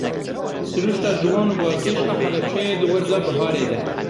Siruşta ciwan û balkêş a Helebceyê di werza biharê de.